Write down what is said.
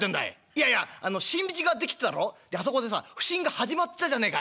「いやいやあの新道が出来たろ？であそこでさ普請が始まってたじゃねえかい。